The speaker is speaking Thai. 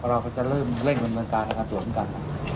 เราก็จะเริ่มเร่งดำเนินการทางการตรวจเหมือนกัน